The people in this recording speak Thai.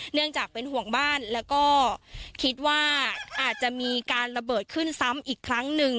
เนื่องจากเป็นห่วงบ้านแล้วก็คิดว่าอาจจะมีการระเบิดขึ้นซ้ำอีกครั้งหนึ่ง